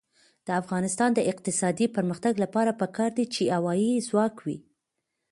د افغانستان د اقتصادي پرمختګ لپاره پکار ده چې هوایی ځواک وي.